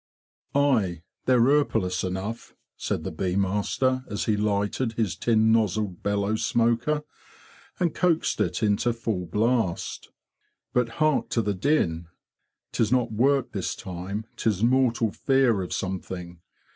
"Ay! they're erpulous enough,'' said the bee master, as he lighted his tin nozzled bellows smoker and coaxed it into full blast. '' But hark to the din! 'Tis not work this time; 'tis mortal fear of some thing.